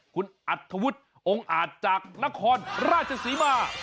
คุณอัธวุฒิองค์อาจจากนครราชศรีมา